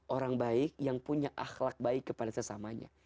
orang baik yang punya akhlak baik kepada sesamanya